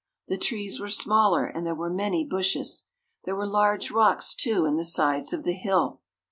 The trees were smaller, and there were many bushes. There were large rocks, too, in the sides of the hill.